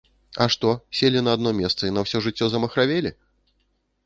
А што, селі на адно месца і на ўсё жыццё замахравелі?